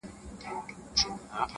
څوک چي له علم سره دښمن دی -